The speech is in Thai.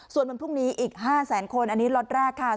ส่วนวันพรุ่งนี้อีก๕แสนคนอันนี้ล็อตแรกค่ะ